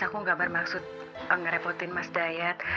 aku gak bermaksud ngerepotin mas dayat